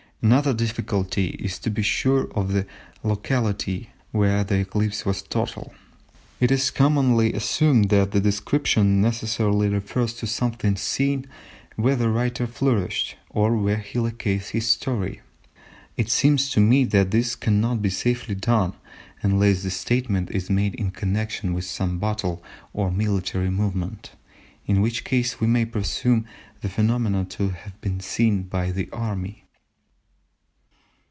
Another difficulty is to be sure of the locality where the eclipse was total. It is commonly assumed that the description necessarily refers to something seen where the writer flourished, or where he locates his story. It seems to me that this cannot be safely done unless the statement is made in connection with some battle or military movement, in which case we may presume the phenomena to have been seen by the army."